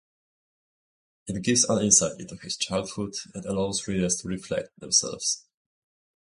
It gives an insight into his childhood and allows readers to reflect themselves.